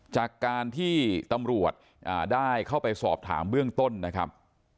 จากการที่ตำรวจได้เข้าไปสอบถามเบื้องต้นนะครับ